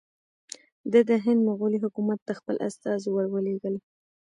ده د هند مغولي حکومت ته خپل استازي ور ولېږل.